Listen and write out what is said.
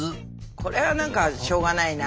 これは何かしょうがないな。